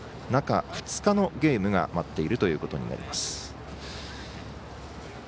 中２日のゲームが待っているということになります。